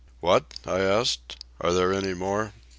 "What?" I asked. "Are there any more?"